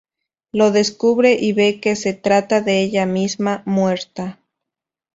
Lo descubre y ve que se trata de ella misma, muerta.